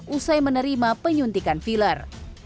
usai menerima penyuntikan filler